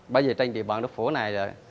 bởi vì trên địa bàn đức phổ này